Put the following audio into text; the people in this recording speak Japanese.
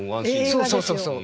そうそうそうそう。